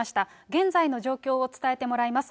現在の状況を伝えてもらいます。